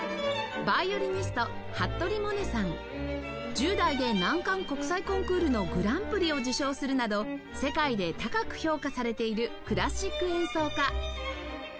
１０代で難関国際コンクールのグランプリを受賞するなど世界で高く評価されているクラシック演奏家